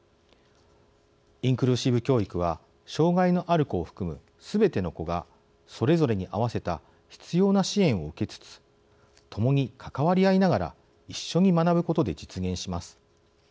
インクルーシブ教育は障害のある子を含むすべての子がそれぞれに合わせた必要な支援を受けつつ共に関わり合いながら一緒に学ぶことで実現します。